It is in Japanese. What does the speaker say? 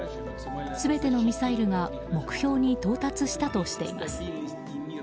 全てのミサイルが目標に到達したとしています。